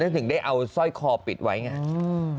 แล้วทิ้งได้เอาสร้อยคอปิดไว้นั่ง